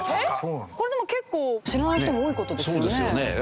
これでも結構知らない人も多い事ですよね。